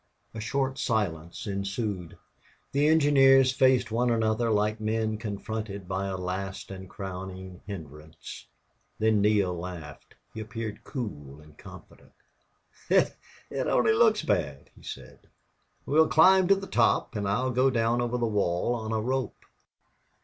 A short silence ensued. The engineers faced one another like men confronted by a last and crowning hindrance. Then Neale laughed. He appeared cool and confident. "It only looks bad," he said. "We'll climb to the top and I'll go down over the wall on a rope."